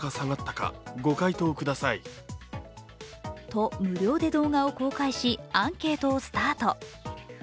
と無料で動画を公開しアンケートをスタート。